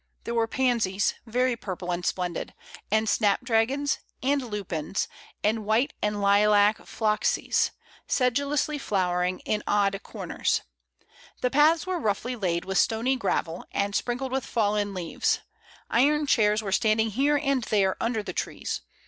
There were pansies, very purple and splendid, and snap dragons, and lupins, and white and lilac floesies, sedulously flowering in odd cor ners; the paths were roughly laid^with stony gravel and sprinkled with fallen leaves; iron chairs were standing here and there under the trees.